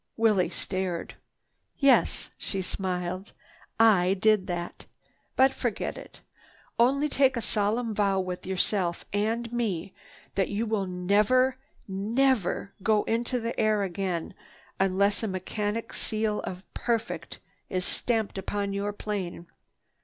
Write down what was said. Willie stared. "Yes," she smiled. "I did that. But forget it. Only take a solemn vow with yourself and me that you will never, never go into the air again unless a mechanic's seal of 'Perfect' is stamped upon your plane!